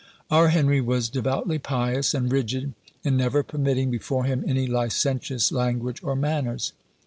'" Our Henry was devoutly pious, and rigid in never permitting before him any licentious language or manners.